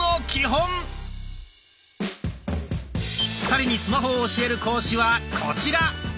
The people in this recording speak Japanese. ２人にスマホを教える講師はコチラ。